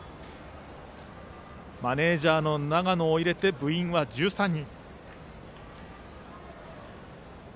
マネージャーの永野を入れて部員は１３人。